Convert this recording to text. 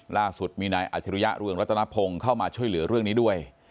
ล่าสุดมีนายอาจริยะเรืองรัตนพงศ์เข้ามาช่วยเหลือเรื่องนี้ด้วย